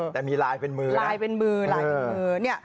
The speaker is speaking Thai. แต่มีลายเป็นมือลายเป็นมือลายเป็นมือเนี่ย